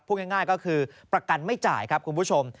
พูดง่ายก็คือประกันไม่จ่ายครับคุณผู้ชม